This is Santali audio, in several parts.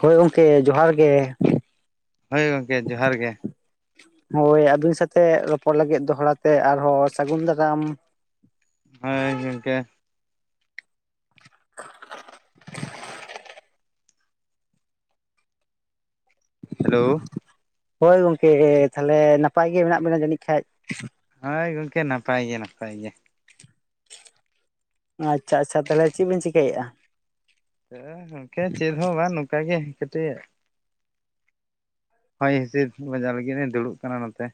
ᱦᱳᱭ ᱜᱚᱝᱠᱮ ᱡᱚᱦᱟᱨ ᱜᱮ, ᱦᱳᱭ ᱜᱚᱝᱠᱮ ᱡᱚᱦᱟᱨ ᱜᱮ᱾ ᱦᱳᱭ ᱟᱹᱵᱤᱱ ᱥᱟᱛᱮᱜ ᱨᱚᱯᱚᱲ ᱞᱟᱹᱜᱤᱫ ᱫᱚᱦᱲᱟ ᱛᱮ ᱟᱨᱦᱚᱸ ᱥᱟᱹᱜᱩᱱ ᱫᱟᱨᱟᱢ᱾ ᱦᱮᱸ ᱜᱚᱢᱠᱮ [inaudible] ᱦᱮᱞᱳ. ᱦᱳᱭᱹᱝᱢᱠᱮ ᱛᱟᱦᱞᱮ ᱱᱟᱯᱟᱭ ᱜᱮ ᱢᱮᱱᱟᱜ ᱵᱮᱱᱟ ᱡᱟᱹᱱᱤᱷ ᱠᱷᱟᱭ᱾ ᱦᱳᱭ ᱜᱚᱝᱠᱮ ᱱᱟᱯᱟᱭ ᱜᱮ ᱱᱟᱯᱟᱭ ᱜᱮ᱾ ᱟᱪᱪᱷᱟ ᱟᱪᱪᱷᱟ ᱛᱟᱦᱚᱞᱮ ᱪᱮᱜ ᱵᱮᱤᱱ ᱪᱤᱠᱟᱹᱭᱮᱫᱹᱜᱼᱟ? ᱦᱮᱸ ᱜᱚᱝᱠᱮ ᱪᱮᱫ ᱦᱚᱸ ᱵᱟᱝ ᱱᱚᱝᱠᱟ ᱜᱮ ᱠᱟᱹᱴᱤᱜ, ᱦᱚᱳᱭ ᱦᱤᱸᱥᱤᱫ ᱵᱟᱡᱟᱨ ᱞᱟᱹᱜᱤᱫ ᱫᱩᱲᱩᱵ ᱠᱟᱱᱟ ᱱᱚᱛᱮ,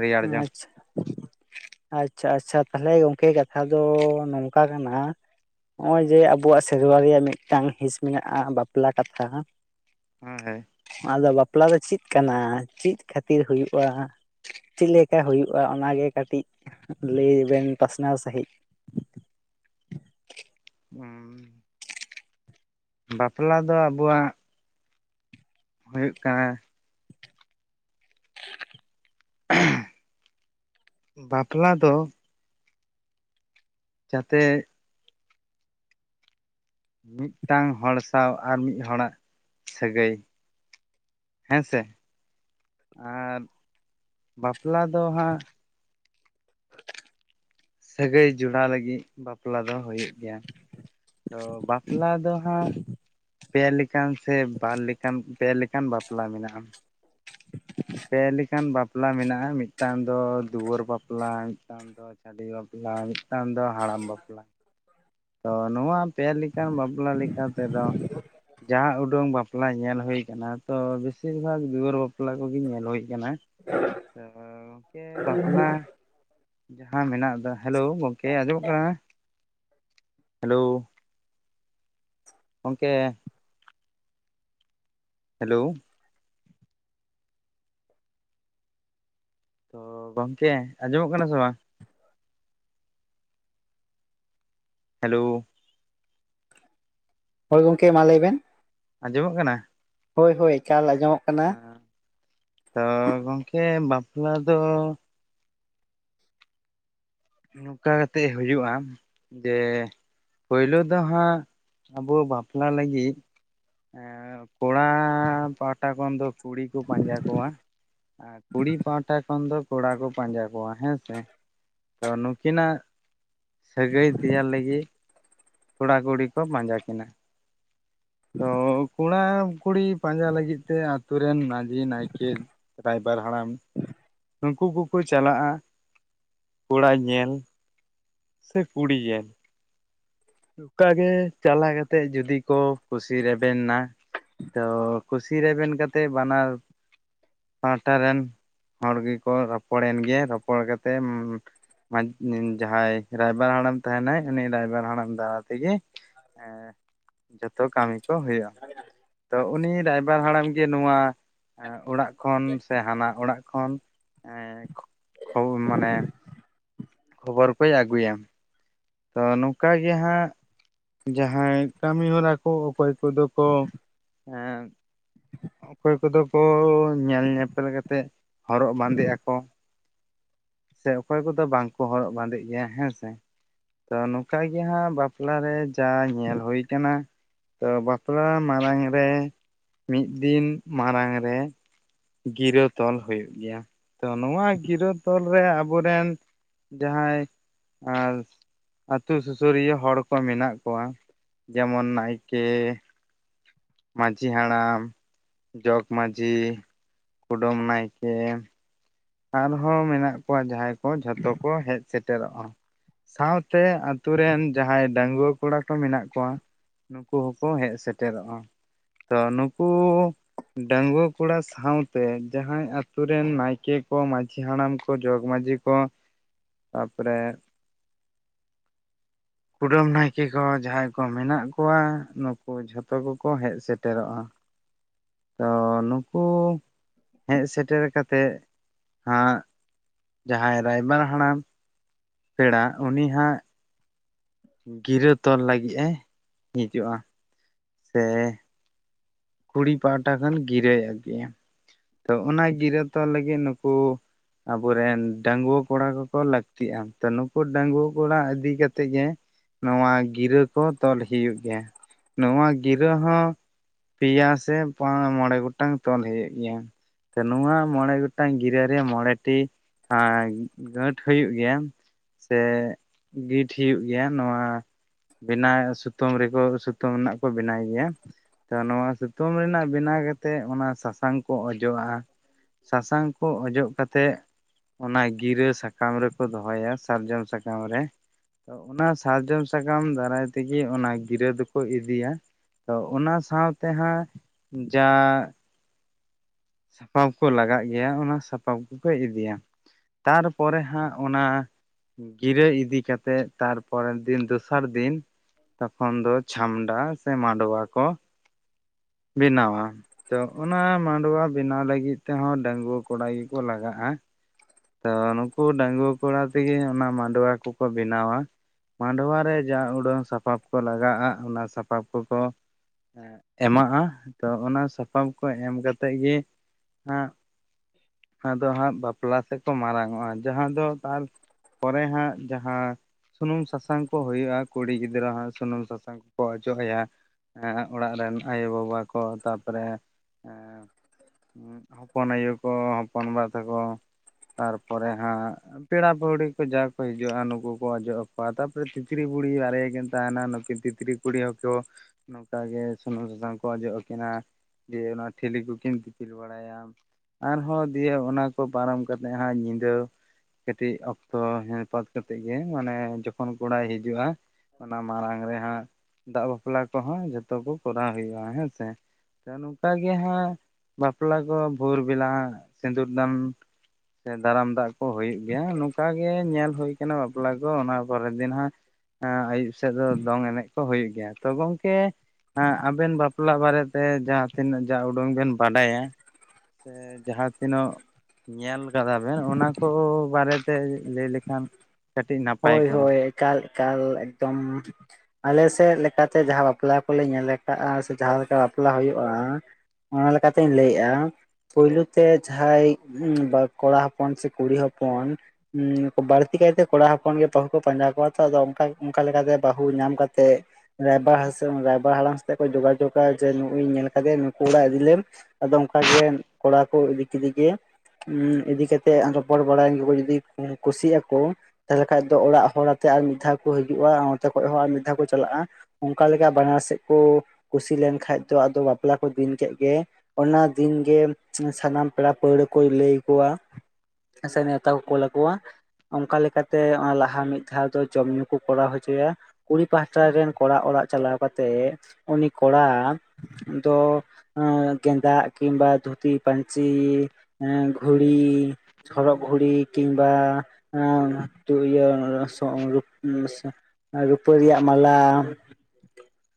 ᱨᱮᱭᱟᱲ ᱡᱚᱝ ᱟᱪᱪᱷᱟ ᱪᱷᱟ, ᱟᱪᱪᱷᱟ ᱟᱪᱪᱷᱟ ᱛᱟᱦᱚᱞᱮ ᱜᱚᱝᱠᱮ ᱠᱟᱛᱷᱟ ᱫᱚ ᱱᱚᱝᱠᱟ ᱠᱟᱱᱟ, ᱱᱚᱜᱼᱚᱭ ᱡᱮ ᱟᱵᱚᱣᱟᱜ ᱥᱮᱨᱣᱟ ᱨᱮᱭᱟᱜ ᱢᱤᱫᱴᱟᱝ ᱦᱤᱸᱥ ᱢᱮᱱᱟᱜᱼᱟ ᱵᱟᱯᱞᱟ ᱠᱟᱛᱷᱟ᱾ ᱦᱮᱸ ᱦᱳᱭ ᱟᱫᱚ ᱵᱟᱯᱞᱟ ᱫᱚ ᱪᱮᱫ ᱠᱟᱱᱟ ᱪᱮᱫ ᱠᱷᱟᱹᱛᱤᱨ ᱦᱩᱭᱩᱜᱼᱟ? ᱪᱮᱫ ᱞᱮᱠᱟ ᱦᱩᱭᱩᱜᱼᱟ ᱚᱱᱟᱜᱮ ᱠᱟᱹᱴᱤᱜ ᱞᱟᱹᱭ ᱵᱮᱱ ᱯᱟᱥᱱᱟᱣ ᱥᱟᱺᱦᱤᱡ? ᱦᱩᱸ, ᱵᱟᱯᱞᱟ ᱫᱚ ᱟᱵᱚᱣᱟᱜ, ᱦᱩᱭᱩᱜ ᱠᱟᱱᱟ ᱵᱟᱯᱞᱟ ᱫᱚ, ᱡᱟᱛᱮᱜ ᱢᱤᱫᱴᱟᱝ ᱦᱚᱲ ᱥᱟᱶ ᱟᱨ ᱢᱤᱜ ᱦᱚᱲᱟᱜ ᱥᱟᱹᱜᱟᱹᱭ, ᱦᱮᱸ ᱥᱮ ᱟᱨ ᱵᱟᱯᱞᱟ ᱫᱚ ᱦᱟᱸᱜ ᱥᱟᱹᱜᱟᱹᱭ ᱡᱚᱲᱟᱣ ᱞᱟᱹᱜᱤᱜ ᱵᱟᱯᱞᱟ ᱫᱚ ᱦᱩᱭᱩᱜ ᱜᱮᱭᱟ᱾ ᱛᱚ ᱵᱟᱯᱞᱟ ᱫᱚ ᱦᱟᱸ ᱯᱮ ᱞᱮᱠᱟᱱ ᱥᱮ ᱵᱟᱨ ᱞᱮᱠᱟᱱ ᱯᱮ ᱞᱮᱠᱟᱱ ᱵᱟᱯᱞᱟ ᱢᱮᱱᱟᱜᱼᱟ᱾ ᱯᱮ ᱞᱮᱠᱟᱱ ᱵᱟᱯᱞᱟ ᱢᱮᱱᱟᱜᱼᱟ ᱢᱤᱫᱴᱟᱝ ᱫᱚ ᱫᱩᱣᱟᱹᱨ ᱵᱟᱯᱞᱟ ᱢᱤᱫᱴᱟᱝ, ᱫᱚ ᱪᱷᱟᱹᱰᱣᱤ ᱵᱟᱯᱞᱟ ᱢᱤᱴᱟᱝ ᱫᱚ ᱦᱟᱲᱟᱢ ᱵᱟᱯᱞᱟ ᱢᱤᱫᱴᱟᱝ ᱫᱚ ᱦᱟᱲᱟᱢ ᱵᱟᱯᱞᱟ᱾ ᱛᱚ ᱱᱚᱣᱟ ᱯᱮᱞᱮᱠᱟ ᱞᱮᱠᱟᱱ ᱵᱟᱯᱞᱟ ᱞᱮᱠᱟ ᱛᱮᱫᱚ᱾ ᱡᱟᱦᱟᱸ ᱩᱰᱩᱝ ᱵᱟᱯᱞᱟ ᱧᱮᱞ ᱦᱩᱭ ᱟᱠᱟᱱᱟ ᱛᱚ ᱵᱮᱥᱤᱨ ᱵᱷᱟᱜᱽ ᱫᱩᱣᱟᱹᱨ ᱵᱟᱯᱞᱟ ᱠᱚᱜᱮ ᱧᱮᱞ ᱦᱩᱭᱩ ᱠᱟᱱᱟ᱾ [inaudible] ᱫᱚ ᱜᱚᱝᱠᱮ ᱵᱟᱯᱞᱟ ᱡᱟᱦᱟᱸ ᱢᱮᱱᱟᱜ ᱫᱚ ᱦᱮᱞᱳ ᱜᱚᱝᱠᱮ ᱟᱸᱡᱚᱢᱚᱜ ᱠᱟᱱᱟ, ᱦᱮᱞᱳ᱾ ᱜᱚᱝᱠᱮ ᱦᱮᱞᱳ! ᱛᱚᱻ ᱜᱚᱝᱠᱮ ᱟᱸᱡᱚᱢᱚᱜ ᱠᱟᱱᱟ ᱥᱮ ᱵᱟᱝ? ᱦᱮᱞᱳ! ᱦᱳᱭ ᱜᱚᱝᱠᱮ ᱢᱟ ᱞᱟᱹᱭ ᱵᱮᱱ? ᱟᱸᱡᱚᱢᱚᱜ ᱠᱟᱱᱟ? ᱦᱳᱭ ᱦᱳᱭ ᱮᱠᱟᱞ ᱟᱸᱡᱚᱢᱚᱜ ᱠᱟᱱᱟ ᱾ ᱛᱚ ᱜᱚᱝᱠᱮ ᱵᱟᱯᱞᱟ ᱫᱚ, ᱱᱚᱝᱠᱟ ᱠᱟᱛᱮᱜ ᱦᱩᱭᱩᱜᱼᱟ ᱡᱮ ᱯᱳᱭᱞᱳ ᱫᱚ ᱦᱟᱸᱜ ᱟᱵᱚ ᱵᱟᱯᱞᱟ ᱞᱟᱹᱜᱤᱫ ᱮᱸ ᱠᱚᱲᱟᱻ ᱯᱟᱦᱴᱟ ᱠᱷᱚᱱ ᱫᱚ ᱠᱩᱲᱤ ᱠᱚ ᱯᱟᱸᱡᱟ ᱠᱚᱣᱟ ᱾ ᱟᱸ ᱠᱩᱲᱤ ᱯᱟᱦᱴᱟ ᱠᱷᱚᱱ ᱫᱚ ᱠᱚᱲᱟ ᱠᱚ ᱯᱟᱸᱡᱟ ᱠᱚᱣᱟ ᱾ ᱦᱮᱸ ᱥᱮ, ᱛᱚ ᱱᱩᱝᱠᱤᱱᱟᱜ ᱥᱟᱹᱜᱟᱹᱭ ᱛᱮᱭᱟᱨ ᱞᱟᱹᱜᱤᱜ ᱠᱚᱲᱟᱼᱠᱩᱲᱤ ᱠᱚ ᱯᱟᱸᱡᱟ ᱠᱤᱱᱟ ᱾ ᱛᱚ ᱠᱚᱲᱟᱼᱠᱩᱲᱤ ᱯᱟᱸᱡᱟ ᱞᱟᱹᱜᱤᱫ ᱛᱮ ᱟᱛᱳ ᱨᱮᱱ ᱢᱟᱸ ᱡᱷᱤ, ᱱᱟᱭᱠᱮ, ᱨᱟᱭᱵᱟᱨ ᱦᱟᱲᱟᱢ ᱩᱝᱠᱩ ᱠᱩᱠᱩ ᱪᱟᱞᱟᱜᱼᱟ ᱠᱚᱲᱟ ᱧᱮᱞ ᱾ ᱥᱮ ᱠᱩᱲᱤ ᱧᱮᱞ ᱾ ᱚᱝᱠᱟ ᱜᱮ ᱪᱟᱞᱟ ᱠᱟᱛᱮᱜ ᱡᱩᱫᱤ ᱠᱚ ᱠᱩᱥᱤ ᱨᱮᱵᱮᱱ ᱱᱟ ᱾ ᱛᱚ ᱠᱩᱥᱤ ᱨᱮᱵᱮᱱ ᱠᱟᱛᱮ ᱵᱟᱱᱟᱨ ᱯᱟᱦᱴᱟ ᱨᱮᱱ ᱦᱚᱲ ᱜᱮᱠᱚ ᱨᱚᱯᱚᱲᱮᱱ ᱜᱮ, ᱨᱚᱯᱚᱲ ᱠᱟᱛᱮ [unintelligible] ᱢᱟᱡᱽ ᱡᱟᱦᱟᱸᱭ ᱨᱟᱭᱵᱟᱨ ᱦᱟᱲᱟᱢ ᱛᱟᱦᱮᱱᱟᱭ ᱩᱱᱤ ᱨᱟᱭᱵᱟᱨ ᱦᱟᱲᱟᱢ ᱥᱟᱶ ᱛᱮᱜᱮ ᱮᱸ ᱡᱚᱛᱚ ᱠᱟᱹᱢᱤ ᱠᱚ ᱦᱩᱭᱩᱜᱼᱟ, ᱛᱚ ᱩᱱᱤ ᱨᱟᱭᱵᱟᱨ ᱦᱟᱲᱟᱢ ᱜᱮ ᱱᱚᱣᱟ ᱮᱸ ᱚᱲᱟᱜ ᱠᱷᱚᱱ ᱥᱮ ᱦᱟᱱᱟ ᱚᱲᱟᱜ ᱠᱷᱚᱱ ᱮᱸᱻ ᱠᱷᱳᱵᱽ ᱢᱟᱱᱮ ᱠᱷᱚᱵᱚᱨ ᱠᱚᱭ ᱟᱹᱜᱩᱭᱟ ᱾ ᱛᱚ ᱱᱚᱝᱠᱟ ᱜᱮ ᱦᱟᱸᱜ ᱡᱟᱦᱟᱸᱭ ᱠᱟᱹᱢᱤ ᱦᱚᱨᱟ ᱠᱚ ᱚᱠᱚᱭ ᱠᱚᱫᱚ ᱠᱚ ᱮᱸᱜ ᱚᱠᱚᱭ ᱠᱚᱫᱚ ᱠᱚ ᱧᱮᱞ ᱧᱮᱯᱮᱞ ᱠᱟᱛᱮᱜ ᱦᱚᱨᱚᱜ ᱵᱟᱸᱫᱮᱜ ᱟᱠᱚ ᱾ ᱥᱮ ᱚᱠᱚᱭ ᱠᱚᱫᱚ ᱵᱟᱝ ᱠᱚ ᱦᱚᱨᱚᱜ ᱵᱟᱸᱫᱮᱜ ᱜᱮᱭᱟ, ᱦᱮᱸ ᱥᱮ ᱾ ᱛᱚ ᱱᱚᱝᱠᱟ ᱜᱮ ᱦᱟᱸᱜ ᱵᱟᱯᱞᱟ ᱨᱮ ᱡᱟ ᱧᱮᱞ ᱦᱩᱭ ᱟᱠᱟᱱᱟ ᱛᱚ ᱵᱟᱯᱞᱟ ᱢᱟᱨᱟᱝ ᱨᱮ ᱢᱤᱫ ᱫᱤᱱ ᱢᱟᱨᱟᱝ ᱨᱮ ᱜᱤᱨᱟᱹ ᱛᱚᱞ ᱦᱳᱭᱳᱜ ᱜᱮᱭᱟ ᱾ ᱛᱚ ᱱᱚᱣᱟ ᱜᱤᱨᱟᱹ ᱛᱚᱞ ᱨᱮ ᱟᱵᱚᱨᱮᱱ ᱡᱟᱦᱟᱸᱭ ᱟᱨ ᱟᱛᱩ ᱥᱩᱥᱟᱹᱨᱤᱭᱟᱹ ᱦᱚᱲ ᱠᱚ ᱢᱮᱱᱟᱜ ᱠᱚᱣᱟ ᱾ ᱡᱮᱢᱚᱱ ᱱᱟᱭᱠᱮ ᱢᱟᱺᱡᱷᱤ ᱦᱟᱲᱟᱢ, ᱚᱜᱽᱢᱟᱺᱡᱷᱤ, ᱠᱩᱰᱟᱹᱢ ᱱᱟᱭᱠᱮ ᱟᱨᱦᱚᱸ ᱢᱮᱱᱟᱜ ᱠᱚᱣᱟ ᱡᱟᱦᱟᱸᱭ ᱠᱚ ᱡᱷᱚᱛᱚ ᱠᱚ ᱦᱮᱡ ᱥᱮᱴᱮᱨᱚᱜᱼᱟ᱾ ᱥᱟᱶᱛᱮ ᱟᱛᱩ ᱨᱮᱱ ᱡᱟᱦᱟᱸᱭ ᱰᱟᱺᱜᱩᱣᱟᱹ ᱠᱚᱲᱟ ᱠᱚ ᱢᱮᱱᱟᱜ ᱠᱚᱣᱟ ᱱᱩᱠᱩ ᱦᱚᱸᱠᱚ ᱦᱮᱡ ᱥᱮᱴᱮᱨᱚᱜᱼᱟ, ᱛᱚ ᱱᱩᱠᱩ ᱰᱟᱺᱜᱩᱣᱟᱹ ᱠᱚᱲᱟ ᱥᱟᱶᱛᱮ ᱡᱟᱦᱟᱸᱭ ᱟᱛᱩ ᱨᱮᱱ ᱱᱟᱭᱠᱮ ᱠᱚ ᱢᱟᱺᱡᱷᱤ ᱦᱟᱲᱟᱢ ᱠᱚ ᱡᱚᱜᱽ ᱢᱟᱺᱡᱷᱤ ᱠᱚ ᱛᱟᱯᱚᱨᱮ [inaudible] ᱠᱩᱰᱟᱹᱢ ᱱᱟᱭᱠᱮ ᱠᱚ ᱡᱟᱦᱟᱸᱭ ᱠᱚ ᱢᱮᱱᱟᱜ ᱠᱚᱣᱟ ᱱᱩᱠᱩ ᱡᱷᱚᱛᱚ ᱠᱚᱠᱚ ᱦᱮᱡ ᱥᱮᱴᱮᱨᱚᱜᱼᱟ ᱾ ᱛᱚ ᱱᱩᱠᱩ ᱦᱮᱡ ᱥᱮᱴᱮᱨ ᱠᱟᱛᱮᱫᱼᱼ ᱦᱟᱸ ᱡᱟᱦᱟᱸᱭ ᱨᱟᱭᱵᱟᱨ ᱦᱟᱲᱟᱢ᱾ ᱯᱮᱲᱟ ᱩᱱᱤ ᱦᱟᱸᱜᱼᱼ ᱜᱤᱨᱟᱹ ᱛᱚᱞ ᱞᱟᱹᱜᱤᱫ ᱮ ᱦᱤᱡᱩᱜᱼᱟᱼᱼ ᱥᱮᱼᱼ ᱠᱩᱲᱤ ᱯᱟᱦᱴᱟ ᱠᱷᱚᱱ ᱜᱤᱨᱟᱹᱭᱟ ᱜᱮᱭᱟ᱾ ᱛᱚ ᱚᱱᱟ ᱜᱤᱨᱟᱹᱚᱛᱚ ᱞᱟᱹᱜᱤᱫ ᱱᱩᱠᱩᱼ ᱟᱵᱚᱨᱮ ᱰᱟᱹᱟᱹᱜᱩᱭᱣᱟᱹ ᱠᱚᱲᱟ ᱠᱚᱠᱚ ᱞᱟᱹᱠᱛᱤᱜᱼᱟ ᱛᱚ ᱱᱩᱠᱩ ᱰᱟᱹᱟᱹᱜᱩᱣᱟᱹ ᱠᱚᱲᱟ ᱤᱫᱤ ᱠᱟ ᱠᱟᱛᱮᱜ ᱜᱮ᱾ ᱱᱚᱣᱟ ᱜᱤᱨᱟᱹ ᱠᱚ ᱛᱚᱞ ᱦᱩᱭᱩᱜ ᱜᱮᱭᱟ ᱱᱚᱣᱟ ᱜᱤᱨᱟᱹ ᱦᱚᱸᱼᱼ ᱯᱮᱭᱟ ᱥᱮ ᱯᱟ ᱢᱚᱬᱮᱸ ᱜᱚᱴᱟᱝ ᱛᱚᱞ ᱦᱩᱭᱩᱜ ᱜᱮᱭᱟᱼᱼ ᱛᱚ ᱱᱚᱶᱟ ᱢᱚᱬᱮᱸ ᱜᱚᱴᱟᱝ ᱜᱤᱨᱟᱹᱨᱮ ᱢᱬᱮᱴᱤ ᱜᱴ ᱦᱩᱭᱩᱜ ᱜᱮᱭᱟ᱾ ᱥᱮ ᱜᱤᱴ ᱦᱩᱭᱩᱜ ᱜᱮᱭᱟ ᱱᱚᱣᱟ᱾ ᱵᱮᱱᱟᱣ ᱥᱩᱛᱟᱹᱢ ᱨᱮᱠᱚ ᱥᱩᱛᱟᱹᱢ ᱨᱮᱱᱟᱜ ᱠᱚ ᱵᱮᱱᱟᱣ ᱜᱮᱭᱟ᱾ ᱛᱚ ᱱᱚᱣᱟ ᱥᱩᱛᱟᱹᱢ ᱨᱮᱱᱟᱜ ᱵᱮᱱᱟᱣ ᱠᱟ ᱠᱟᱛᱮᱫ ᱚᱱᱟ ᱥᱟᱥᱟᱝ ᱠᱚ ᱚᱡᱼᱼ ᱚᱡᱚᱜᱼᱟ ᱥᱟᱥᱟᱝ ᱠᱚ ᱚᱡᱚᱜ ᱠᱟᱛᱮᱫ ᱚᱱᱟ ᱜᱤᱨᱟᱹ ᱥᱟᱠᱟᱢ ᱨᱮᱠᱚ ᱫᱚᱦᱚᱭᱟ ᱥᱟᱨᱡᱚᱢ ᱥᱟᱠᱟᱢ ᱨᱮ, ᱛᱚ ᱚᱱᱟ ᱥᱟᱨᱡᱚᱢ ᱥᱟᱠᱟᱢ ᱫᱟᱨᱟᱭ ᱛᱮᱜᱮ ᱚᱱᱟ ᱜᱤᱨᱟᱹ ᱫᱚᱠᱚ ᱤᱫᱤᱭᱟ᱾ ᱛᱚ ᱚᱱᱟ ᱥᱟᱶ ᱛᱮᱦᱟᱸᱜ ᱡᱟᱼᱼ ᱥᱟᱯᱟᱯ ᱠᱚ ᱞᱟᱜᱟᱜ ᱜᱮᱭᱟ ᱚᱱᱟ ᱥᱟᱯᱟᱵ ᱠᱚᱠᱚ ᱤᱫᱤᱭᱟ᱾ ᱛᱟᱨᱯᱚᱨᱮ ᱦᱟᱸᱜ ᱚᱱᱟ᱾ ᱜᱤᱨᱟᱹ ᱤᱫᱤ ᱠᱟᱛᱮᱜ ᱛᱟᱨ ᱯᱚᱨᱮᱨ ᱫᱤᱱ ᱫᱚᱥᱟᱨ ᱫᱤᱱ, ᱛᱚ ᱠᱷᱚᱱ ᱫᱚ ᱪᱷᱟᱢᱰᱟ ᱥᱮ ᱢᱟᱰᱣᱟ ᱠᱚ᱾ ᱵᱮᱱᱟᱣᱟ ᱛᱚ ᱚᱱᱟ ᱢᱟᱰᱣᱟ ᱵᱮᱱᱟᱣ ᱞᱟᱹᱜᱤᱫ ᱛᱮᱦᱚᱸ ᱰᱟᱹᱜᱩᱣᱟᱹ ᱠᱚᱲᱟ ᱜᱮᱠᱚ ᱞᱟᱜᱟᱜᱼᱟ᱾ ᱛᱚ ᱱᱩᱠᱩ ᱰᱟᱹᱜᱩᱣᱟᱹ ᱠᱚᱲᱟ ᱛᱮᱜᱮ ᱚᱱᱟ ᱢᱟᱰᱣᱟ ᱠᱚᱠᱚ ᱵᱮᱱᱟᱣᱟ᱾ ᱢᱟᱰᱣᱟ ᱨᱮ ᱡᱟ ᱩᱰᱟᱹᱝ ᱥᱟᱯᱟᱵ ᱠᱚ ᱞᱟᱜᱟᱜᱼᱟ ᱚᱱᱟ ᱥᱟᱯᱟᱵ ᱠᱚᱠᱚᱼᱼ ᱮᱢᱟᱜᱼᱟ ᱛᱚ ᱚᱱᱟ ᱥᱟᱯᱟᱵ ᱠᱚ ᱮᱢ ᱠᱟᱛᱮᱫ ᱜᱮ ᱦᱟᱸᱜ ᱟᱫᱚ ᱦᱟᱸᱜ ᱵᱟᱯᱞᱟ ᱥᱮᱫ ᱠᱚ ᱢᱟᱨᱟᱝ ᱚᱜᱼᱟ ᱡᱟᱦᱟᱸ ᱫᱚ ᱛᱟᱨᱼᱼ ᱯᱚᱨᱮ ᱦᱟᱸᱜ ᱡᱟᱦᱟᱸᱼᱼ ᱥᱩᱱᱩᱢ ᱥᱟᱥᱟᱝ ᱠᱚ ᱦᱩᱭᱩᱜᱼᱟ ᱠᱩᱲᱤ ᱜᱤᱫᱽᱨᱟᱹ ᱦᱟᱸᱜ ᱥᱩᱱᱩᱢ ᱥᱟᱥᱟᱝ ᱠᱚᱠᱚ ᱚᱡᱚᱜ ᱟᱭᱟ᱾ ᱦᱮ ᱚᱲᱟᱜ ᱨᱮᱱ ᱟᱭᱳ ᱵᱟᱵᱟ ᱠᱚ ᱛᱟᱨᱯᱚᱨᱮ᱾ [inaudible] ᱦᱚᱯᱚᱱ ᱟᱭᱩ ᱠᱚ ᱦᱚᱯᱚᱱ ᱵᱟ ᱛᱟ ᱠᱚ᱾ ᱛᱟᱨᱯᱚᱨᱮ ᱦᱟᱸᱜᱼᱼ ᱯᱮᱲᱟ ᱯᱟᱹᱲᱦᱤ ᱠᱚ ᱡᱟ ᱠᱚ ᱦᱤᱡᱩᱜᱼᱟ ᱱᱩᱠᱩ ᱠᱚ ᱚᱡᱚᱜ ᱟᱠᱚᱣᱟ ᱛᱟᱯᱚᱨᱮ ᱛᱤᱛᱨᱤ ᱵᱩᱲᱦᱤ ᱵᱟᱨᱮ ᱠᱤᱱ ᱛᱟᱦᱮᱱᱟ ᱱᱩᱠᱤᱱ ᱛᱤᱛᱨᱤᱼᱼ ᱠᱩᱲᱤ ᱦᱚᱠᱚ ᱱᱚᱝᱠᱟ ᱜᱮ ᱥᱩᱱᱩᱢ ᱥᱟᱥᱟᱝ ᱠᱚ ᱚᱡᱚᱜ ᱟᱹᱠᱤᱱᱟ ᱡᱮ ᱚᱱᱟᱼᱼ ᱴᱷᱤᱞᱤ ᱠᱚᱠᱤᱱ ᱫᱤᱯᱤᱞ ᱵᱟᱲᱟᱭᱟᱢ ᱟᱨᱦᱚᱸ ᱫᱤᱭᱮ ᱚᱱᱟ ᱠᱚ ᱯᱟᱨᱚᱢ ᱠᱟᱛᱮᱼᱼ ᱧᱤᱫᱟᱹ ᱠᱟᱹᱴᱤᱡ ᱚᱠᱛᱚ ᱦᱮᱯᱟᱛ ᱠᱟᱛᱮᱫ ᱜᱮ ᱢᱟᱱᱮ ᱡᱚ ᱠᱷᱚᱱᱼᱼ ᱠᱚᱲᱟᱭ ᱦᱤᱡᱩᱜᱼᱟ ᱚᱱᱟ ᱢᱟᱲᱟᱝ ᱨᱮ ᱦᱟᱸᱜ ᱫᱟᱜ ᱵᱟᱯᱞᱟ, ᱠᱚᱦᱚᱸ ᱡᱚᱛᱚ ᱠᱚ ᱠᱚᱨᱟᱣ ᱦᱩᱭᱩᱜᱼᱟ ᱦᱮᱸ ᱥᱮ᱾ ᱛᱚ ᱱᱚᱝᱠᱟ ᱜᱮ ᱦᱟᱸᱜ ᱵᱟᱯᱞᱟ ᱠᱚ ᱵᱷᱳᱨ ᱵᱮᱞᱟ ᱦᱜ ᱥᱤᱸᱫᱩᱨ ᱫᱟᱱ᱾ ᱥᱮ ᱫᱟᱨᱟᱢ ᱫᱟᱜ ᱠᱚ ᱦᱩᱭᱩᱜ ᱜᱮᱭᱟ ᱱᱚᱝᱠᱟ ᱜᱮ ᱧᱮᱞ ᱦᱩᱭ ᱠᱟᱱᱟ ᱵᱟᱯᱞᱟ ᱠᱚ ᱚᱱᱟ ᱯᱚᱨᱮ ᱫᱤᱱ ᱦᱟᱸᱜᱼᱼ ᱟᱹᱭᱩᱵ ᱥᱮᱫ ᱫᱚ ᱫᱚᱝ ᱮᱱᱮᱡ ᱠᱚ ᱦᱩᱭᱩᱜ ᱜᱮᱭᱟ ᱛᱚ ᱜᱚᱢᱠᱮᱼᱼ ᱦ ᱟᱵᱮᱱ ᱵᱟᱯᱞᱟ ᱵᱟᱨᱮᱛᱮ ᱡᱟᱦᱟᱸ ᱛᱤᱱᱟᱹᱜ ᱡᱟ ᱩᱰᱩᱝ ᱵᱮᱱ ᱵᱟᱰᱟᱭᱟ? ᱥᱮ ᱡᱟᱦᱟᱸ ᱛᱤᱱᱟᱹᱜ ᱧᱮᱞᱼᱼ ᱠᱟᱫᱟ ᱵᱮᱱ ᱚᱱᱟ ᱠᱚ ᱵᱟᱨᱮᱛᱮ ᱞᱟᱹᱭ ᱞᱮᱠᱷᱟᱱ? ᱠᱟᱹᱴᱤᱡ ᱱᱟᱯᱟᱭ ᱦᱳᱭ ᱠᱚᱜᱼᱟ ᱦᱳᱭ, ᱮᱠᱟᱞ ᱮᱠᱟᱞ, ᱮᱠᱫᱚᱢ ᱾ ᱟᱞᱮ ᱥᱮᱫ ᱞᱮᱠᱟᱛᱮ ᱡᱟᱦᱟᱸ ᱵᱟᱯᱞᱟ ᱠᱚᱞᱮ ᱧᱮᱞ ᱟᱠᱟᱜᱼᱟ ᱥᱮ ᱡᱟᱦᱟᱸ ᱞᱮᱠᱟ ᱵᱟᱯᱞᱟ ᱦᱩᱭᱩᱜᱼᱟ, ᱚᱱᱟ ᱞᱮᱠᱟᱛᱤᱧ ᱞᱟᱹᱭᱮᱜᱼᱟ ᱯᱩᱭᱞᱩ ᱛᱮ ᱡᱟᱦᱟᱭ ᱩᱸ ᱵᱟ ᱠᱚᱲᱟ ᱦᱚᱯᱚᱱ ᱥᱮ ᱠᱩᱲᱤ ᱦᱚᱯᱚᱱ ᱦᱩᱸ ᱵᱟᱲᱛᱤ ᱠᱟᱭᱛᱮ ᱠᱚᱲᱟ ᱦᱚ ᱯᱚᱱ ᱜᱮ ᱵᱟᱦᱩ ᱠᱚ ᱯᱟᱸᱡᱟ ᱠᱚᱣᱟ ᱛᱚ, ᱟᱫᱚ ᱚᱱᱠᱟ ᱚᱱᱠᱟ ᱞᱮᱠᱟᱛᱮ ᱵᱟᱦᱩ ᱧᱟᱢ ᱠᱟᱛᱮᱫ ᱨᱟᱭᱵᱟᱨ ᱦᱟᱥ ᱥᱮ ᱨᱟᱭᱵᱟᱨ ᱦᱟᱲᱟᱢ ᱥᱟᱛᱮᱜ ᱠᱚ ᱡᱚᱜᱟᱡᱳᱜᱟ ᱡᱮ ᱱᱩ ᱩᱭ ᱤᱧ ᱧᱮᱞ ᱠᱟᱫᱮᱭᱟ ᱱᱩᱠᱩ ᱚᱲᱟᱜ ᱤᱫᱤᱞᱮᱢ ᱾ ᱟᱫᱚ ᱚᱱᱠᱟᱜᱮ ᱠᱚᱲᱟ ᱠᱚ ᱤᱫᱤ ᱠᱮᱫᱮ ᱜᱮ ᱾ ᱩᱸ ᱤᱫᱤ ᱠᱟᱛᱮᱜ ᱟ ᱨᱚᱯᱚᱲ ᱵᱟᱲᱟ ᱭᱮᱱ ᱜᱮ ᱠᱚ ᱡᱩᱫᱤ ᱠᱩᱥᱤᱜ ᱟᱠᱚ ᱛᱟᱦᱞᱮ ᱠᱷᱟᱡ ᱫᱚ ᱚᱲᱟᱜ ᱦᱚᱲ ᱟᱛᱮ ᱟᱨ ᱢᱤᱫ ᱫᱷᱟᱣ ᱠᱚ ᱦᱤᱡᱩᱜᱼᱟ ᱚᱱᱛᱮ ᱠᱷᱚᱡ ᱦᱚᱸ ᱟᱨ ᱢᱤᱫ ᱫᱷᱟᱣ ᱠᱚ ᱪᱟᱞᱟᱜᱼᱟ ᱾ ᱚᱝᱠᱟ ᱞᱮᱠᱟ ᱵᱟᱱᱟᱨ ᱥᱮᱫ ᱠᱚ ᱠᱩᱥᱤ ᱞᱮᱱ ᱠᱷᱟᱡ ᱫᱚ ᱟᱫᱚ ᱵᱟᱯᱞᱟ ᱠᱚ ᱫᱤᱱ ᱠᱮᱫ ᱜᱮ ᱾ ᱚᱱᱟ ᱫᱤᱱᱜᱮ ᱥᱟᱱᱟᱢ ᱯᱮᱲᱟ ᱯᱟᱹᱦᱬᱟᱹ ᱠᱚ ᱞᱟᱹᱭ ᱠᱚᱣᱟ ᱥᱮ ᱱᱮᱣᱛᱟ ᱠᱚ ᱠᱳᱞ ᱟᱠᱚᱣᱟ, ᱚᱝᱠᱟ ᱞᱮᱠᱟ ᱛᱮ ᱚᱱᱟ ᱞᱟᱦᱟ ᱢᱤᱫ ᱫᱷᱟᱣ ᱫᱚ ᱡᱚᱢ ᱧᱩ ᱠᱚ ᱠᱚᱨᱟᱣ ᱦᱚᱪᱚᱭᱟ ᱾ ᱠᱩᱲᱤ ᱯᱟᱦᱴᱟ ᱨᱮᱱ ᱠᱚᱲᱟ ᱚᱲᱟᱜ ᱪᱟᱞᱟᱣ ᱠᱟᱛᱮᱜ ᱩᱱᱤ ᱠᱚᱲᱟ ᱫᱚ ᱮᱸ ᱜᱮᱸᱫᱟᱜ ᱠᱤᱝᱵᱟ ᱫᱷᱩᱛᱤ ᱯᱟᱹᱧᱪᱤ ᱮᱸ ᱜᱷᱩᱲᱤ ᱦᱚᱨᱚᱜ ᱜᱷᱩᱲᱤ ᱠᱤᱝᱵᱟ ᱮᱸ ᱚᱱᱟ ᱤᱭᱟᱹ ᱥᱚ [unintelligible] ᱨᱩᱯᱟᱹ ᱨᱮᱭᱟᱜ ᱢᱟᱞᱟ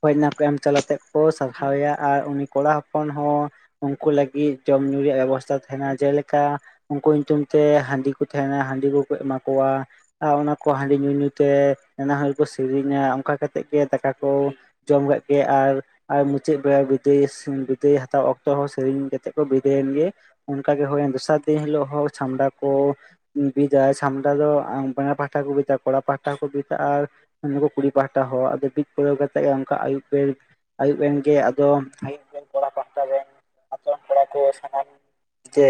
ᱦᱳᱭ ᱚᱱᱟᱠᱚ ᱮᱢ ᱪᱟᱞᱟᱛᱮᱫ ᱠᱚ ᱥᱟᱨᱦᱟᱣᱮᱭᱟ ᱟᱨ ᱩᱱᱤ ᱠᱚᱲᱟ ᱦᱚᱯᱚᱱ ᱦᱚᱸ ᱩᱝᱠᱩ ᱞᱟᱹᱜᱤᱫ ᱡᱚᱢ ᱧᱩ ᱨᱮᱭᱟᱜ ᱵᱮᱵᱚᱥᱛᱟ ᱛᱟᱦᱮᱱᱟ ᱡᱮᱞᱮᱠᱟ ᱩᱝᱠᱩ ᱧᱩᱛᱩᱢ ᱛᱮ ᱦᱟᱸᱰᱤ ᱠᱚ ᱛᱟᱦᱮᱱᱟ, ᱦᱟᱸᱰᱤ ᱠᱚᱠᱚ ᱮᱢᱟ ᱠᱚᱣᱟ ᱾ ᱟᱨ ᱚᱱᱟ ᱠᱚ ᱦᱟᱸᱰᱤ ᱧᱩ ᱧᱩ ᱛᱮ ᱱᱟᱱᱟ ᱦᱩᱱᱟᱹᱨ ᱠᱚ ᱥᱮᱨᱮᱧᱟ, ᱚᱱᱠᱟ ᱠᱟᱛᱮᱫ ᱜᱮ ᱫᱟᱠᱟ ᱠᱚ ᱡᱚᱢ ᱠᱮᱫ ᱜᱮ ᱟᱨ ᱟᱨ ᱢᱩᱪᱟᱹᱫ ᱵᱮᱲᱟ ᱵᱤᱫᱟᱹᱭ ᱥᱩᱢ ᱵᱤᱫᱟᱹᱭ ᱦᱟᱛᱟᱣ ᱚᱠᱛᱚ ᱦᱚᱸ ᱥᱮᱨᱮᱧ ᱠᱟᱛᱮᱫ ᱠᱚ ᱵᱤᱫᱟᱹᱭᱮᱱ ᱜᱮ ᱾ ᱚᱝᱠᱟ ᱜᱮ ᱦᱳᱭᱮᱱ, ᱫᱚᱥᱟᱨ ᱫᱤᱱ ᱦᱤᱞᱳᱜ ᱦᱚᱸ ᱪᱷᱟᱢᱰᱟ ᱠᱚ ᱵᱤᱫᱟ ᱪᱷᱟᱢᱰᱟ ᱫᱚ ᱟᱸ ᱵᱟᱱᱟᱨ ᱯᱟᱦᱴᱟ ᱠᱚ ᱵᱤᱫᱟ, ᱠᱚᱲᱟ ᱯᱟᱦᱴᱟ ᱠᱚ ᱵᱤᱫᱟ ᱟᱨ ᱱᱳᱠᱳ ᱠᱩᱲᱤ ᱯᱟᱦᱴᱟ ᱦᱚᱸ ᱟᱫᱚ ᱵᱤᱫ ᱯᱩᱨᱟ. ᱣ ᱠᱟᱛ ᱛᱮᱫ ᱜᱮ ᱚᱝᱠᱟ ᱟᱹᱭᱩᱵ ᱵᱮᱲ ᱟᱹᱭᱩᱵ ᱮᱱ ᱜᱮ ᱟᱫᱚ [inaudible] ᱠᱚᱲᱟ ᱯᱟᱦᱴᱟ ᱨᱮᱱ ᱟᱛᱩ ᱨᱮᱱ ᱠᱚᱲᱟ ᱠᱚ ᱥᱟᱱᱟᱢ ᱡᱮ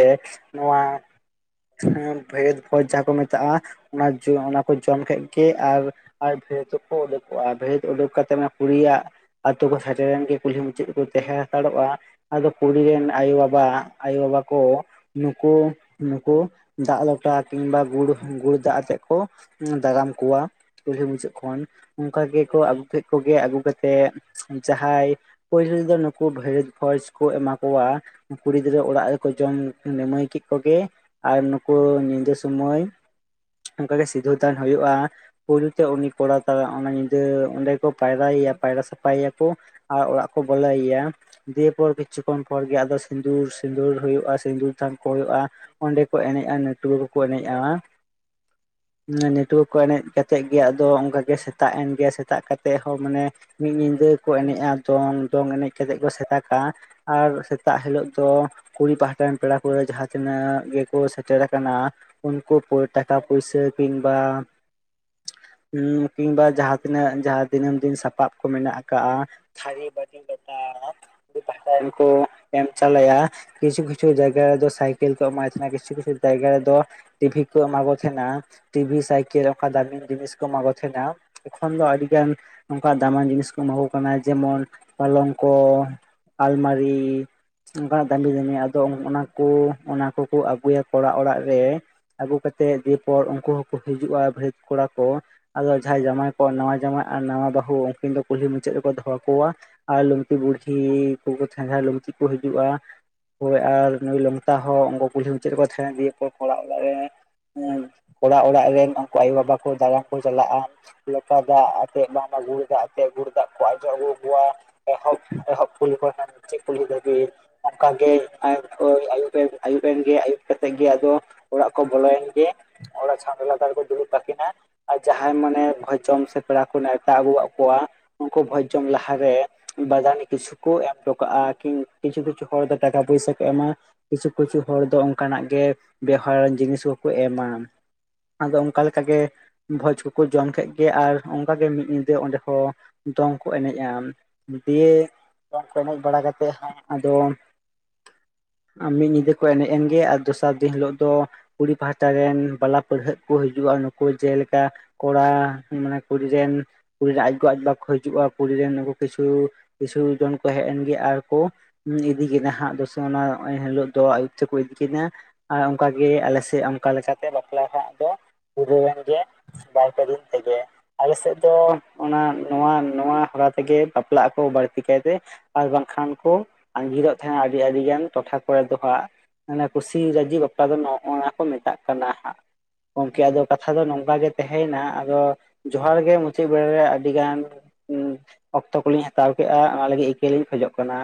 ᱱᱚᱣᱟ ᱦᱮᱸ ᱵᱷᱮᱫ ᱵᱷᱚᱡ ᱡᱟᱸᱦᱟ ᱠᱚ ᱢᱮᱛᱟᱜᱼᱟ ᱚᱱᱟ ᱡᱚ ᱚᱱᱟᱠᱚ ᱡᱚᱢ ᱠᱮᱫ ᱜᱮ ᱟᱨ ᱟᱨ ᱵᱷᱮᱫ ᱦᱚᱸᱠᱚ ᱩᱰᱩᱠᱚᱜᱼᱟ, ᱵᱷᱮᱫ ᱩᱰᱩᱠ ᱠᱟᱛᱮᱫ ᱢᱟᱱᱮ ᱠᱩᱲᱤ ᱭᱟᱜ ᱟᱛᱩ ᱠᱚ ᱥᱮᱴᱮ ᱨᱮᱱ ᱜᱮ ᱠᱩᱞᱦᱤ ᱢᱩᱪᱟᱹᱫ ᱨᱮ ᱠᱚ ᱛᱮᱸᱦᱮ ᱦᱟᱛᱟᱲᱚᱜᱼᱟ, ᱟᱫᱚ ᱠᱩᱲᱤ ᱨᱮᱱ ᱟᱭᱳᱼᱵᱟᱵᱟ ᱟᱭᱳᱼᱵᱟᱵᱟ ᱠᱚ ᱱᱩᱠᱩ ᱱᱩᱠᱩ ᱫᱟᱜ ᱞᱚᱴᱟ ᱠᱤᱝᱵᱟ ᱜᱩᱲ ᱜᱩᱲ ᱫᱟᱜ ᱟᱛᱮᱜ ᱠᱚ ᱮᱸ ᱫᱟᱨᱟᱢ ᱠᱚᱣᱟ ᱠᱩᱞᱦᱤ ᱢᱩᱪᱟᱹᱫ ᱠᱷᱚᱱ ᱚᱝᱠᱟ ᱜᱮᱠᱚ ᱟᱹᱜᱩ ᱠᱮᱫ ᱠᱚᱜᱮ ᱟᱜᱩ ᱠᱟᱛᱮᱫ ᱡᱟᱦᱟᱸᱭ ᱯᱳᱭᱞᱳᱹ ᱨᱮ ᱫᱚ ᱱᱩᱠᱩ ᱵᱷᱟᱹᱭᱟᱹᱫ ᱵᱷᱚᱡ ᱠᱚ ᱮᱢᱟ ᱠᱚᱣᱟ, ᱠᱩᱲᱤ ᱜᱤᱫᱽᱨᱟᱹ ᱚᱲᱟᱜ ᱨᱮᱠᱚ ᱡᱚᱢ ᱱᱤᱢᱟᱹᱭ ᱠᱮᱫ ᱠᱚᱜᱮ ᱾ ᱟᱨ ᱱᱩᱠᱩ ᱧᱤᱫᱟᱹ ᱥᱩᱢᱟᱹᱭ ᱚᱱᱠᱟ ᱜᱮ ᱥᱤᱫᱷᱟᱹᱣ ᱛᱟᱦᱮᱱ ᱦᱩᱭᱩᱜᱼᱟ, ᱯᱩᱭᱞᱩ ᱛᱮ ᱩᱱᱤ ᱠᱚᱲᱟ ᱛᱟᱞᱮ ᱚᱱᱟ ᱧᱤᱫᱟᱹ ᱚᱱᱰᱮ ᱠᱚ ᱯᱟᱭᱨᱟᱭ ᱭᱟ ᱯᱟᱭᱨᱟ ᱥᱟᱯᱷᱟᱭ ᱭᱟᱠᱚ ᱟᱨ ᱚᱲᱟᱜ ᱠᱚ ᱵᱚᱞᱚᱭᱮᱭᱟ ᱾ ᱫᱤᱭᱮ ᱯᱚᱨ ᱠᱤᱪᱷᱩ ᱠᱷᱚᱱ ᱯᱚᱨ ᱜᱮ ᱟᱫᱚ ᱥᱤᱸᱫᱩᱨ ᱥᱤᱸᱫᱩᱨ ᱦᱩᱭᱩᱜᱼᱟ ᱥᱤᱸᱫᱩᱨ ᱛᱷᱟᱱ ᱠᱚ ᱦᱩᱭᱩᱜᱼᱟ ᱾ ᱚᱸᱰᱮ ᱠᱚ ᱮᱱᱮᱡᱼᱟ ᱱᱟᱹᱴᱣᱟᱹ ᱠᱚᱠᱚ ᱮᱱᱮᱡᱼᱟ ᱾ ᱱᱟᱹᱴᱭᱟ. ᱠᱚ ᱮᱱᱮᱡ ᱠᱟᱛᱮᱜ ᱜᱮ ᱟᱫᱚ ᱚᱝᱠᱟ ᱜᱮ ᱥᱮᱛᱟᱜ ᱮᱱ ᱜᱮ ᱥᱮᱛᱟᱜ ᱠᱟ ᱛᱮ ᱦᱚ ᱢᱟᱱᱮ ᱢᱤᱫ ᱧᱤᱫᱟᱹ ᱠᱚ ᱮᱱᱮᱡᱼᱟ ᱫᱚᱝ ᱫᱚᱝ ᱮᱱᱮᱡ ᱠᱟᱛᱮ ᱠᱚ ᱥᱮᱛᱟᱜᱟ ᱾ ᱟᱨ ᱥᱮᱛᱟᱜ ᱦᱤᱞᱳᱜ ᱫᱚ ᱠᱩᱲᱤ ᱯᱟᱦᱴᱟ ᱨᱮᱱ ᱯᱮᱲᱟ ᱯᱟᱹᱷᱬᱟᱹ ᱡᱟᱦᱟᱸ ᱛᱤᱱᱟᱹᱜ ᱜᱮᱠᱚ ᱥᱮᱴᱮᱨ ᱟᱠᱟᱱᱟ ᱩᱱᱠᱩ ᱯᱩᱨᱟ. ᱴᱟᱠᱟ ᱯᱩᱭᱥᱟ. ᱠᱤᱝᱵᱟ ᱦᱩᱸ ᱠᱤᱝᱵᱟ ᱡᱟᱸᱦᱟ ᱛᱤᱱᱟᱹᱜ ᱡᱟᱸᱦᱟ ᱫᱤᱱᱟᱹᱢ ᱫᱤᱱ ᱥᱟᱯᱟᱵ ᱠᱚ ᱢᱮᱱᱟᱜ ᱠᱟᱜᱼᱟ ᱛᱷᱟᱨᱤ, ᱵᱟᱴᱤ, ᱜᱚᱴᱟ᱾ ᱠᱩᱲᱤ ᱯᱟᱦᱴᱟ ᱨᱮᱱ ᱠᱚ ᱮᱢ ᱪᱟᱞᱟᱭᱟ᱾ ᱠᱤᱪᱷᱩ ᱠᱤᱪᱷᱩ ᱡᱟᱭᱜᱟ ᱨᱮᱫᱚ ᱥᱟᱭᱠᱮᱞ ᱠᱚ ᱮᱢᱟᱭ ᱛᱟᱦᱮᱱᱟ, ᱠᱤᱪᱷᱩ ᱠᱤᱪᱷᱩ ᱡᱟᱭᱜᱟ ᱨᱮᱫᱚ ᱴᱤ ᱵᱷᱤ ᱠᱚ ᱮᱢᱟ ᱠᱚ ᱛᱟᱦᱮᱱᱟ, ᱴᱤ ᱵᱷᱤ ᱥᱟᱭᱠᱮᱞ ᱚᱠᱟ ᱫᱟᱢᱤᱱ ᱡᱤᱱᱤᱥ ᱠᱚ ᱮᱢᱟ ᱠᱚ ᱛᱟᱦᱮᱱᱟ, ᱮᱚᱠᱷᱚᱱ ᱫᱚ ᱟᱹᱰᱤ ᱜᱟᱱ ᱱᱚᱝᱠᱟ ᱫᱟᱢᱟᱱ ᱡᱤᱱᱤᱥ ᱠᱚ ᱮᱢᱟ ᱠᱚ ᱠᱟᱱᱟ ᱡᱮᱢᱚᱱ ᱯᱞᱚᱝᱠᱚ, ᱟᱞᱢᱟᱨᱤ, ᱚᱱᱠᱟᱱᱟᱜ ᱫᱟᱹᱰᱤ ᱫᱟᱹᱢᱤ ᱟᱫᱚ ᱚᱱᱟ ᱠᱚ ᱚᱱᱟ ᱠᱚᱠᱚ ᱟᱹᱜᱩᱭᱟ ᱠᱚᱲᱟ ᱚᱲᱟᱜ ᱨᱮ ᱟᱹᱜᱩ ᱠᱟᱛᱮᱫ ᱫᱤᱭ ᱯᱚᱨ ᱩᱱᱠᱩ ᱦᱚᱸᱠᱚ ᱦᱤᱡᱩᱜᱼᱟ ᱵᱷᱟᱹᱨᱭᱟᱹᱛ ᱠᱚᱲᱟ ᱠᱚ, ᱟᱫᱚ ᱡᱟᱦᱟᱸᱭ ᱡᱟᱢᱟᱭ ᱠᱚ, ᱱᱟᱣᱟ ᱡᱟᱶᱟᱭ ᱟᱨ ᱱᱟᱣᱟ ᱵᱟᱹᱦᱩ ᱩᱱᱠᱤᱱ ᱫᱚ ᱠᱩᱞᱦᱤ ᱢᱩᱪᱟᱹᱫ ᱨᱮᱠᱚ ᱫᱚᱦᱚ ᱠᱚᱣᱟ, ᱟᱨ ᱞᱩᱝᱛᱤ ᱵᱩᱰᱠᱷᱤ ᱠᱚᱠᱚ ᱛᱟᱦᱮᱱᱟ ᱞᱩᱝᱛᱤ ᱠᱚ ᱦᱤᱡᱩᱜᱼᱟ᱾ ᱦᱳᱭ ᱟᱨ ᱱᱩᱭ ᱞᱚᱝᱛᱟ ᱦᱚᱸ ᱩᱱᱠᱩ ᱠᱩᱞᱦᱤ ᱢᱩᱪᱮᱫ ᱨᱮ ᱠᱚ ᱛᱟᱦᱮᱱ ᱤᱫᱤᱭᱟᱠᱚ ᱠᱚᱲᱟ ᱚᱲᱟᱜ ᱨᱮ ᱦᱮᱸ ᱠᱚᱲᱟ ᱚᱲᱟᱜ ᱨᱮᱱ ᱩᱱᱠᱩ ᱟᱭᱳ ᱵᱟᱵᱟ ᱠᱚ ᱫᱟᱨᱟᱱ ᱠᱚ ᱪᱟᱞᱟᱜᱼᱟ ᱞᱚᱴᱟ ᱫᱟᱜ ᱪᱮᱫ ᱵᱟᱢ ᱟᱹᱜᱩ ᱠᱟᱜ-ᱟ ᱪᱮᱫ ᱜᱩᱲ ᱫᱟᱜ ᱠᱚ ᱚᱡᱚᱜ ᱟᱹᱜᱩ ᱠᱚᱣᱟ ᱮᱦᱚᱵ, ᱮᱦᱚᱵ ᱯᱷᱩᱞ [unintelligible] ᱢᱩᱪᱟᱹᱫ ᱠᱩᱞᱦᱤ ᱫᱷᱟᱵᱤᱡ᱾ ᱚᱱᱝᱠᱟ ᱜᱮ ᱦᱳᱞᱳᱜ ᱟᱹᱭᱩᱵ ᱮᱢ ᱟᱹᱭᱩᱵ ᱮᱱ ᱜᱮ ᱟᱭᱩᱵ ᱠᱟᱛᱮ ᱜᱮ ᱟᱫᱚ ᱚᱲᱟᱜ ᱠᱚ ᱵᱚᱞᱚᱭᱮᱱ ᱜᱮ ᱚᱲᱟᱜ ᱪᱷᱟᱰᱟ ᱞᱟᱛᱟᱨ ᱠᱚ ᱫᱩᱲᱩᱵ ᱠᱟᱠᱤᱱᱟ, ᱟᱨ ᱡᱟᱦᱟᱸᱭ ᱢᱟᱱᱮ ᱵᱷᱚᱡ ᱡᱚᱢ ᱥᱮ ᱯᱮᱲᱟ ᱠᱚ ᱱᱮᱣᱛᱟ ᱟᱹᱜᱩ ᱠᱟᱜ ᱠᱚᱣᱟ ᱩᱱᱠᱩ ᱵᱷᱚᱡᱽ ᱡᱚᱢ ᱞᱟᱦᱟ ᱨᱮ ᱵᱟᱫᱟᱱᱤ ᱠᱤᱪᱷᱩ ᱠᱚ ᱮᱢ ᱦᱚᱴᱚ ᱠᱟᱜᱼᱟ᱾ ᱠᱤᱱ ᱠᱤᱪᱷᱩ ᱠᱤᱪᱷᱩ ᱦᱚᱲ ᱫᱚ ᱴᱟᱠᱟ ᱯᱚᱭᱥᱟ ᱠᱚ ᱮᱢᱟ ᱠᱤᱪᱷᱩ ᱠᱤᱪᱷᱩ ᱦᱚᱲ ᱫᱚ ᱚᱱᱠᱟᱱᱟᱜ ᱜᱮ ᱵᱮᱣᱦᱟᱨᱟᱱ ᱡᱤᱱᱤᱥ ᱠᱚᱠᱚ ᱮᱢᱟ᱾ ᱟᱫᱚ ᱚᱱᱠᱟ ᱞᱮᱠᱟ ᱜᱮ ᱵᱷᱚᱡᱽ ᱠᱚᱠᱚ ᱡᱚᱢ ᱠᱮᱫ ᱜᱮ ᱟᱨ ᱚᱱᱠᱟ ᱜᱮ ᱢᱤᱫ ᱧᱤᱫᱟᱹ ᱚᱸᱰᱮ ᱦᱚᱸ ᱫᱚᱝ ᱠᱚ ᱮᱱᱮᱡᱼᱟ, ᱫᱤᱭᱮ ᱫᱚᱜ ᱠᱚ ᱮᱱᱮᱡ ᱵᱟᱲᱟ ᱠᱟᱛᱮᱜ ᱦᱟᱸᱜ ᱟᱫᱚ ᱢᱤᱫ ᱧᱤᱫᱟᱹ ᱠᱚ ᱮᱱᱮᱡ ᱮᱱ ᱜᱮ ᱟᱨ ᱫᱚᱥᱟᱨ ᱫᱤᱱ ᱦᱤᱞᱳᱜ ᱫᱚ ᱠᱩᱲᱤ ᱯᱟᱦᱴᱟ ᱨᱮᱱ ᱵᱟᱞᱟ ᱯᱟᱹᱲᱦᱟᱹᱜ ᱠᱚ ᱦᱤᱡᱩᱜᱼᱟ ᱱᱩᱠᱩ ᱡᱮᱞᱮᱠᱟ ᱠᱚᱲᱟ ᱢᱟᱱᱮ ᱠᱩᱲᱤ ᱨᱮᱱ ᱠᱩᱲᱤ ᱨᱮᱱ ᱟᱡ ᱜᱚ ᱟᱡ ᱵᱟ ᱠᱚ ᱦᱤᱡᱩᱜᱼᱟ ᱠᱩᱲᱤ ᱨᱮᱱ ᱱᱩᱠᱩ ᱠᱤᱪᱷᱩ ᱠᱤᱪᱷᱩ ᱡᱚᱱ ᱠᱚ ᱦᱮᱡ ᱮᱱ ᱜᱮ ᱟᱨᱠᱚ ᱤᱫᱤ ᱠᱮᱫᱟ ᱦᱟᱸᱜ ᱫᱚᱥᱮ ᱚᱱᱟᱜ ᱚᱱᱟ ᱤᱱ ᱦᱤᱞᱳᱜ ᱫᱚ ᱟᱹᱭᱩᱵ ᱛᱮᱠᱚ ᱤᱫᱤ ᱠᱮᱫᱟ ᱟᱨ ᱚᱱᱠᱟ ᱜᱮ ᱟᱞᱮ ᱥᱮᱫ ᱚᱱᱠᱟ ᱞᱮᱠᱟ ᱛᱮ ᱵᱟᱯᱞᱟ ᱴᱟᱜ ᱫᱚ ᱯᱩᱨᱟᱹᱣ ᱮᱱ ᱜᱮ ᱵᱟᱨ ᱯᱮ ᱫᱤᱱ ᱛᱮᱜᱮ᱾ ᱟᱞᱮ ᱥᱮᱫ ᱫᱚ ᱚᱱᱟ ᱱᱚᱣᱟ ᱱᱚᱣᱟ ᱦᱚᱨᱟ ᱛᱮᱜᱮ ᱵᱟᱯᱞᱟᱜ ᱟᱠᱚ ᱵᱟᱹᱲᱛᱤ ᱠᱟᱭ ᱛᱮ ᱟᱨ ᱵᱟᱝᱠᱷᱟᱱ ᱠᱚ ᱟᱸᱡᱤᱨᱚᱜ ᱛᱟᱦᱮᱸᱱᱟ ᱟᱹᱰᱤ ᱟᱹᱰᱤ ᱜᱟᱱ ᱴᱚᱴᱷᱟ ᱠᱚᱨᱮ ᱫᱚ ᱦᱟᱸᱜ᱾ ᱢᱟᱱᱮ ᱠᱩᱥᱤ ᱨᱟᱹᱡᱤ ᱵᱟᱯᱞᱟ ᱫᱚ ᱱᱚᱜᱼᱚ ᱱᱟ ᱠᱚ ᱢᱮᱛᱟᱜ ᱠᱟᱱᱟ ᱦᱟᱸᱜ᱾ ᱜᱚᱝᱠᱮ ᱟᱫᱚ ᱠᱟᱛᱷᱟ ᱟᱪᱪᱷᱟ ᱫᱚ ᱱᱚᱝᱠᱟ ᱜᱮ ᱛᱟᱦᱮᱭᱮᱱᱟ ᱟᱫᱚ ᱡᱚᱦᱟᱨ ᱜᱮ ᱢᱩᱪᱟᱹᱫ ᱵᱮᱲ ᱨᱮ ᱟᱹᱰᱤᱜᱟᱱ ᱩᱸ ᱚᱠᱛᱚ ᱠᱚᱞᱤᱧ ᱦᱟᱛᱟᱣ ᱠᱮᱜ-ᱟ ᱚᱱᱟ ᱞᱟᱹᱜᱤᱫ ᱤᱠᱟᱹ ᱞᱤᱧ ᱠᱷᱚᱡᱚᱜ ᱠᱟᱱᱟ᱾